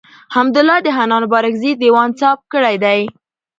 حمدالله د حنان بارکزي دېوان څاپ کړی دﺉ.